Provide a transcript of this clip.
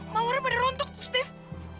mau orang pada rontok tuh steve